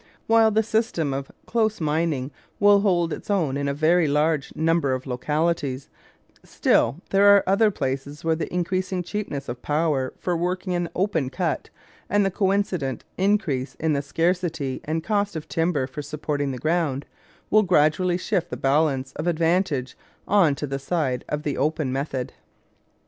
While the system of close mining will hold its own in a very large number of localities, still there are other places where the increasing cheapness of power for working an open cut and the coincident increase in the scarcity and cost of timber for supporting the ground, will gradually shift the balance of advantage on to the side of the open method.